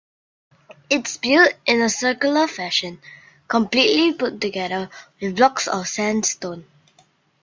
It's built in a circular fashion, completely put together with blocks of sand stone.